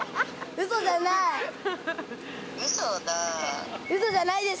ウソじゃないです。